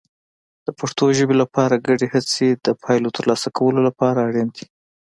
د پښتو ژبې لپاره ګډې هڅې د پایلو ترلاسه کولو لپاره اړین دي.